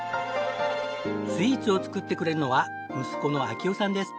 スイーツを作ってくれるのは息子の晃生さんです。